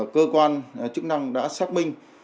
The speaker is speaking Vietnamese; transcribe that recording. cơ quan chức năng đã xác minh